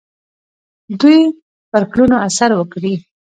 دوی پر کړنو اثر وکړي.